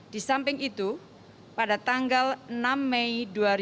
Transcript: di samping itu pada tanggal enam mei dua ribu dua puluh